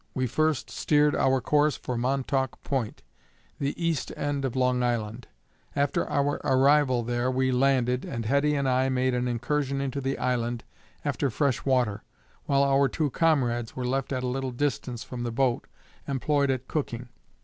We first steered our course for Montauk point, the east end of Long Island. After our arrival there we landed, and Heddy and I made an incursion into the island after fresh water, while our two comrades were left at a little distance from the boat, employed at cooking.